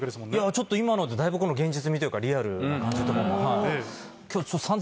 ちょっと今のでだいぶ現実味というかリアルな感じとかも。